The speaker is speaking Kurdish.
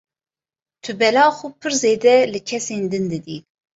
Tu bela xwe pir zêde li kesên din didî.